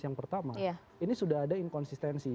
yang pertama ini sudah ada inkonsistensi